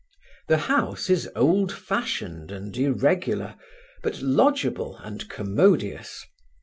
The house is old fashioned and irregular, but lodgeable and commodious.